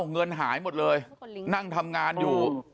เงินหายหมดเลยนั่งทำงานอยู่